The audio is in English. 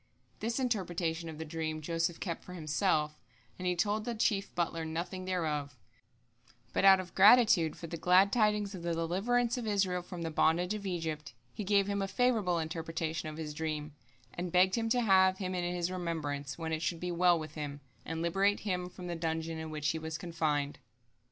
This interpretation of the dream Joseph kept for himself, and he told the chief butler nothing thereof, but out of gratitude for the glad tidings of the deliverance of Israel from the bondage of Egypt, he gave him a favorable interpretation of his dream, and begged him to have him in his remembrance, when it should be well with him, and liberate him from the dungeon in which he was confined.